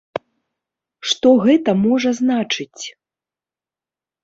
Што гэта можа значыць?